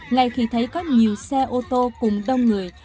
ngay khi thấy có nhiều xe ô tô cùng đông người